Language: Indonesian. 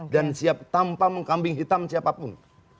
dan siap tanpa mengkambing hitam siapapun